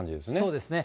そうですね。